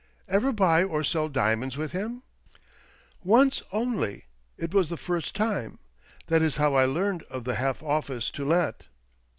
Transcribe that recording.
" Ever buy or sell diamonds with him? "" Once only. It was the first time. That is how I learned of the half office to let."